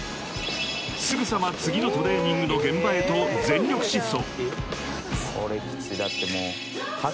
［すぐさま次のトレーニングの現場へと全力疾走］